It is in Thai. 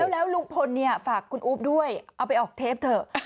แล้วลุงพลฝากคุณอุ๊บด้วยเอาไปออกเทปเถอะ